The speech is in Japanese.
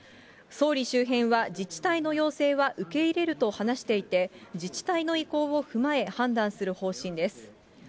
総理周辺は、自治体の要請は受け入れると話していて、自治体の意向を踏まえ、判断する方針です。